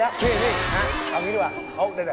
ก็ปังให้ผีดิ